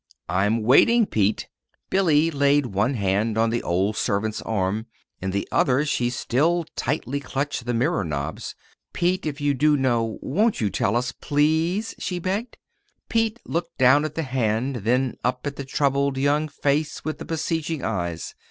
"I'm waiting, Pete." Billy laid one hand on the old servant's arm in the other hand she still tightly clutched the mirror knobs. "Pete, if you do know, won't you tell us, please?" she begged. Pete looked down at the hand, then up at the troubled young face with the beseeching eyes.